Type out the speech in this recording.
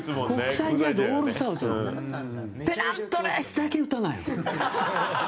ペナントレースだけ打たないの。